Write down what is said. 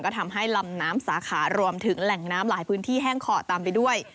ก็ทำให้ลำน้ำสาขารวมถึงแหล่งน้ำหลายพื้นที่แห้งขอตามไปด้วย